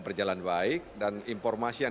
berjalan baik dan informasi yang